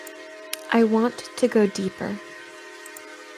I want to go deeper.